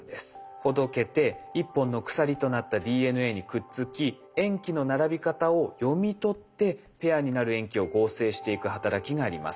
ほどけて１本の鎖となったＤＮＡにくっつき塩基の並び方を読み取ってペアになる塩基を合成していく働きがあります。